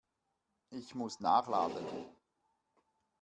Ich muss nachladen.